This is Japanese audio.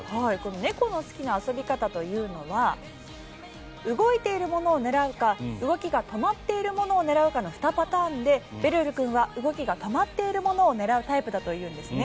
猫の好きな遊び方というのは動いているものを狙うか動きが止まっているものを狙うかの２パターンで、べるる君は動きが止まっているものを狙うタイプだというんですね。